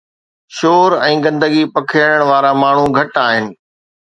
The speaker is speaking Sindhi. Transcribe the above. شور ۽ گندگي پکيڙڻ وارا ماڻهو گهٽ آهن